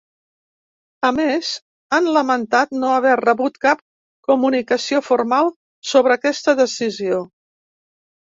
A més, han lamentat no haver rebut cap comunicació formal sobre aquesta decisió.